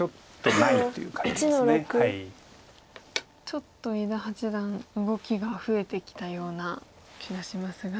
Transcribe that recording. ちょっと伊田八段動きが増えてきたような気がしますが。